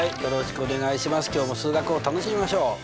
今日も数学を楽しみましょう。